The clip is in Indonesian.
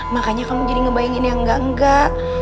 makanya kamu jadi ngebayangin yang enggak enggak